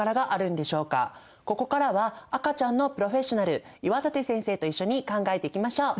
ここからは赤ちゃんのプロフェッショナル岩立先生と一緒に考えていきましょう。